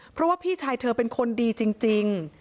เพราะว่าพี่ชายเธอเป็นคนดีจริง